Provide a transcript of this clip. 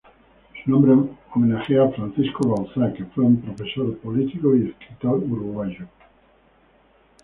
Su nombre homenajea a Francisco Bauzá, que fue un profesor, político y escritor uruguayo.